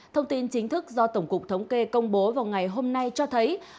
thông tin chính thức do tổng cục thống kê công bố vào ngày hôm nay cho thấy